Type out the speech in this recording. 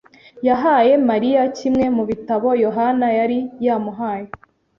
yahaye Mariya kimwe mu bitabo Yohana yari yamuhaye.